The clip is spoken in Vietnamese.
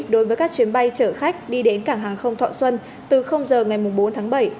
đối với các chuyến bay chở khách đi đến cảng hàng không thọ xuân từ giờ ngày bốn tháng bảy